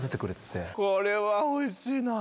これはおいしいなぁ！